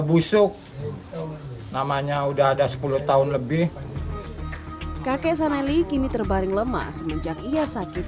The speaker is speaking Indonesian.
busuk namanya udah ada sepuluh tahun lebih kakek saneli kini terbaring lemah semenjak ia sakit